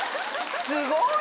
すごい！